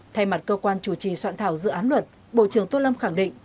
thay mặt cơ quan chủ trì soạn thảo dự án luật bộ trưởng tô lâm khẳng định